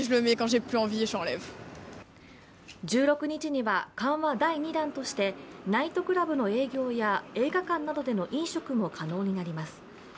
１６日には、緩和第２弾としてナイトクラブの営業や映画館などでの飲食も可能になります。